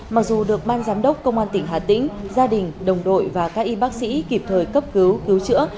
mặc dù được ban giám đốc công an tỉnh hà tĩnh gia đình đồng đội và các y bác sĩ kịp thời cấp cứu cứu chữa